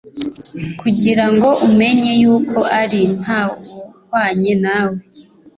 kugira ngo umenye yuko ari nta wuhwanye nawe